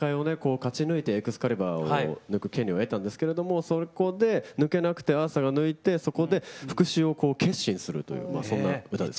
勝ち抜いてエクスカリバーを抜く権利を得たんですけれどもそこで抜けなくてアーサーが抜いてそこで復讐を決心するというまあそんな歌ですね。